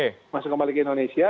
masuk kembali ke indonesia